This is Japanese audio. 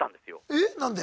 えっ何で？